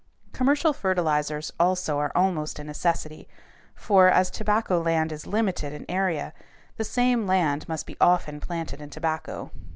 Commercial fertilizers also are almost a necessity; for, as tobacco land is limited in area, the same land must be often planted in tobacco.